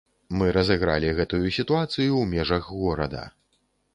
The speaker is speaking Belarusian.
Мы разыгралі гэтую сітуацыю ў межах горада.